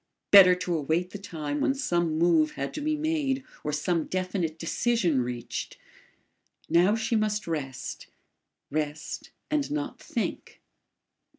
Better to await the time when some move had to be made or some definite decision reached. Now she must rest, rest and not think.